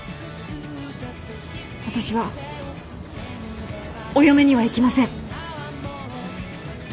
私はお嫁には行きません。